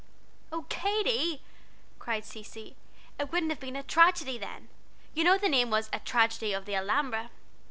"Why, Katy!" cried Cecy, "it wouldn't have been a tragedy then. You know the name was A Tragedy of the Alhambra."